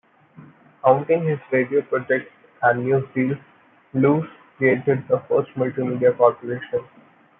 Counting his radio projects and newsreels, Luce created the first multimedia corporation.